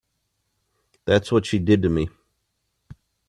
That's what she did to me.